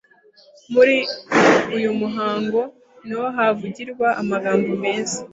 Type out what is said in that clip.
Muri uyu muhango niho havugirwa amagambo meza